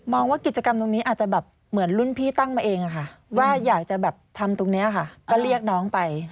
ว่ากิจกรรมตรงนี้อาจจะแบบเหมือนรุ่นพี่ตั้งมาเองอะค่ะว่าอยากจะแบบทำตรงนี้ค่ะก็เรียกน้องไป